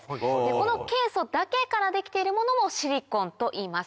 このケイ素だけからできているものをシリコンといいます。